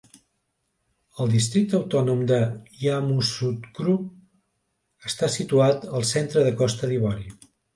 El Districte Autònom de Yamoussoukro està situat al centre de Costa d'Ivori.